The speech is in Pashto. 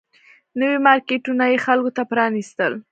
نوي مارکیټونه یې خلکو ته پرانيستل